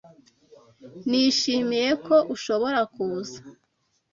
Nishimiye ko ushobora kuza